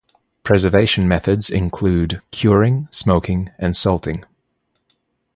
Preservation methods include curing, smoking, and salting.